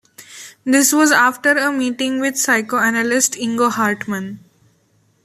This was after a meeting with psychoanalyst Ingo Hartmann.